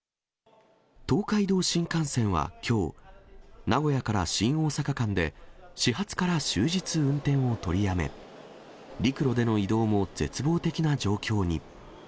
東海道新幹線はきょう、名古屋から新大阪間で、始発から終日運転を取りやめ、陸路での移動も絶望的な状況に。